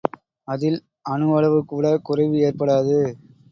அதில் அணுவளவுகூடக் குறைவு ஏற்படாது.